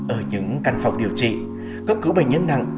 ở những căn phòng điều trị cấp cứu bệnh nhân nặng